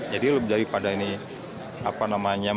jadi daripada ini apa namanya